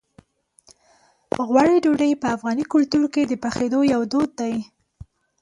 غوړي ډوډۍ په افغاني کلتور کې د پخېدو یو دود دی.